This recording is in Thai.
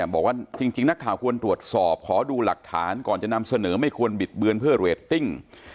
บอกว่าจริงนักข่าวควรตรวจสอบขอดูหลักฐานก่อนจะนำเสนอไม่ควรบิดเบือนเพื่อเรตติ้ง